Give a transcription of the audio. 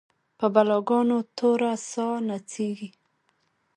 د بلا ګانو توره ساه نڅیږې